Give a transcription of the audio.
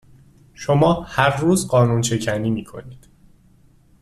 شما هر روز قانونشکنی میکنید